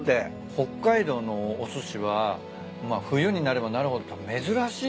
北海道のおすしは冬になればなるほど珍しい。